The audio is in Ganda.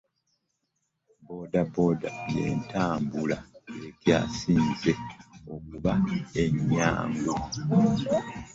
Bodaboda y'entambula ekyasinze okuba ennyangu.